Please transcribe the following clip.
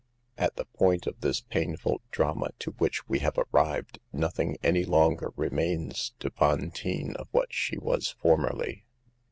^ At the point of this painful drama to which we have arrived, nothing any longer re mains to Fantine of what she was formerly.